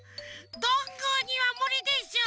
どんぐーにはむりでしょ！